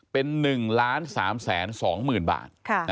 เป็นหนึ่งล้านสามแสนสองหมื่นบาท